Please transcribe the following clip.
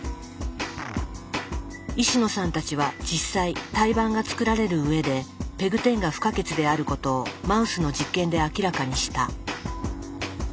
石野さんたちは実際胎盤が作られるうえでＰＥＧ１０が不可欠であることをマウスの実験で明らかにした。